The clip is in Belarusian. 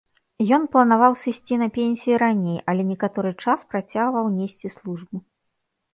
Ён планаваў сысці на пенсію раней, але некаторы час працягваў несці службу.